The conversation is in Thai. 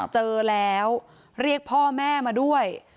เจอแล้วเรียกพ่อแม่มาด้วย